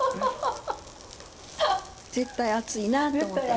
絶対熱いなと思って。